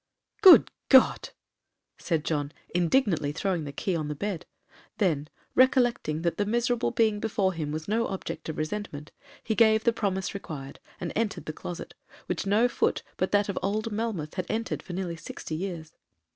'Good God!' said John, indignantly throwing the key on the bed; then, recollecting that the miserable being before him was no object of resentment, he gave the promise required, and entered the closet, which no foot but that of old Melmoth had entered for nearly sixty years.